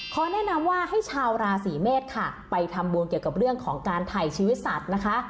แนะนำว่าให้ชาวราศีเมษค่ะไปทำบุญเกี่ยวกับเรื่องของการถ่ายชีวิตสัตว์นะคะ